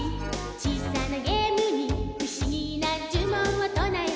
「小さなゲームにふしぎなじゅもんをとなえた」